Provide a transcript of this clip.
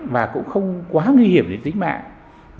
và cũng không quá nguy hiểm đến tính mạng